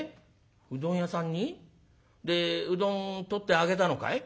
うどん屋さんに？でうどん取ってあげたのかい？」。